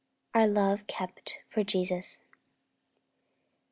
Our love kept for Jesus.